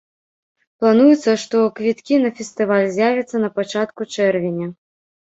Плануецца, што квіткі на фестываль з'явяцца на пачатку чэрвеня.